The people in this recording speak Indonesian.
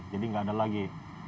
jadi tidak ada lagi